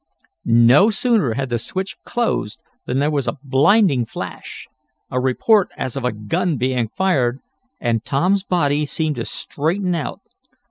No sooner had the switch closed than there was a blinding flash, a report as of a gun being fired, and Tom's body seemed to straighten out.